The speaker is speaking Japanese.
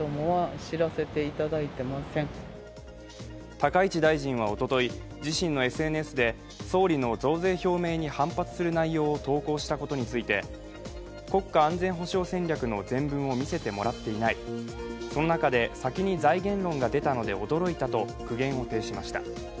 高市大臣はおととい自身のＳＮＳで総理の増税表明に反発する内容を投稿したことについて、国家安全保障戦略の全文を見せてもらっていないその中で先に財源論が出たので驚いたと苦言を呈しました。